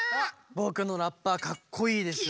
ぼくのラッパかっこいいでしょう。